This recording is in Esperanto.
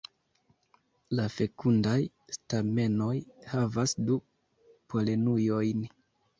La fekundaj stamenoj havas du polenujojn.